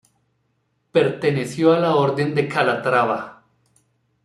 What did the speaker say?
Perteneció a la Orden de Calatrava.